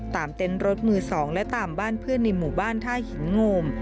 เต็นต์รถมือ๒และตามบ้านเพื่อนในหมู่บ้านท่าหินโงม